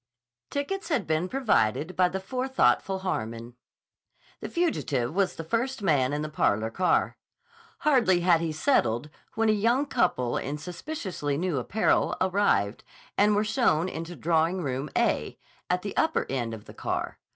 Tickets had been provided by the forethoughtful Harmon. The fugitive was the first man in the parlor car. Hardly had he settled when a young couple in suspiciously new apparel arrived, and were shown into Drawing Room "A," at the upper end of the car.